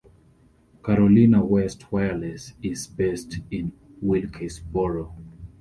Carolina West Wireless is based in Wilkesboro.